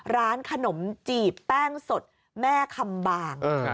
ร้านขนมจีบแป้งสดแม่คำบาง